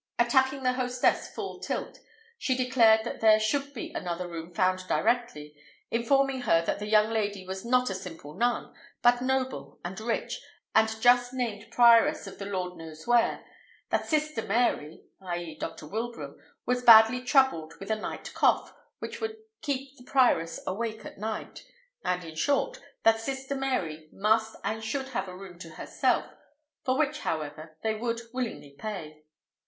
Attacking the hostess full tilt, she declared that there should be another room found directly, informing her that the young lady was not a simple nun, but noble and rich, and just named prioress of the Lord knows where; that Sister Mary, i.e. Dr. Wilbraham, was badly troubled with a night cough, which would keep the prioress awake all night; and in short, that Sister Mary must and should have a room to herself, for which, however, they would willingly pay.